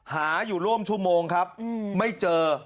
หาอยู่ร่วมชั่วโมงครับไม่เจอ